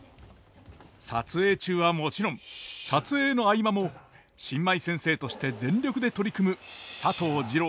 撮影中はもちろん撮影の合間も新米先生として全力で取り組む佐藤二朗さんでした。